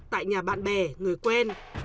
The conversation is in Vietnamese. tại nhà bạn bè người quen